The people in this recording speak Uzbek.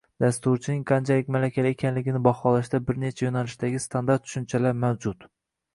Dasturchining qanchalik malakali ekanligini baholashda bir necha yo’nalishdagi standart tushunchalar mavjud